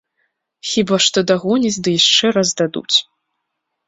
Хіба што дагоняць ды яшчэ раз дадуць.